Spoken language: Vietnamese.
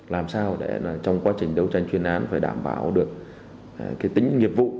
làm sao để trong quá trình đấu tranh chuyên an phải đảm bảo được tính nghiệp vụ